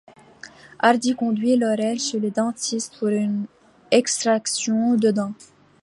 Hardy conduit Laurel chez le dentiste pour une extraction de dent.